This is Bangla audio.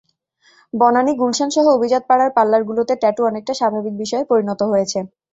বনানী, গুলশানসহ অভিজাত পাড়ার পারলারগুলোতে ট্যাটু অনেকটা স্বাভাবিক বিষয়ে পরিণত হয়েছে।